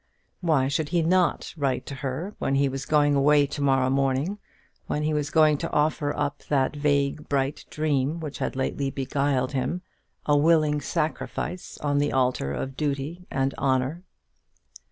Why should he not write to her when he was going away to morrow morning; when he was going to offer up that vague bright dream which had lately beguiled him, a willing sacrifice, on the altar of duty and honour?